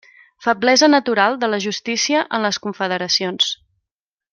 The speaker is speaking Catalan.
Feblesa natural de la justícia en les confederacions.